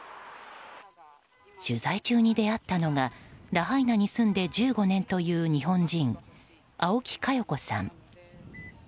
取材中に出会ったのがラハイナに住んで１５年という日本人、青木花容子さん。